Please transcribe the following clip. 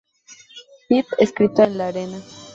Pip escrito en la arena.